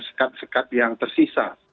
sekat sekat yang tersisa